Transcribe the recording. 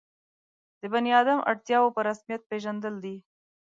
د بني آدم اړتیاوو په رسمیت پېژندل ده.